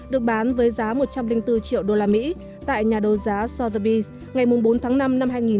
được bán với giá một trăm linh bốn triệu đô la mỹ tại nhà đô giá sotheby s ngày bốn tháng năm năm hai nghìn bốn